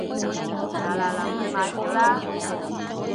嗱嗱臨去買票啦